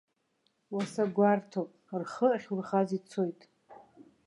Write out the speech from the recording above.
Уаса гәарҭоуп, рхы ахьурхаз ицоит.